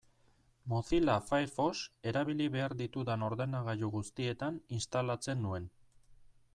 Mozilla Firefox erabili behar ditudan ordenagailu guztietan instalatzen nuen.